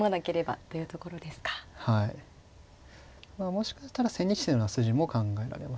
もしかしたら千日手の筋も考えられますね。